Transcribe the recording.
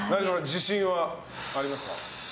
自信はありますか？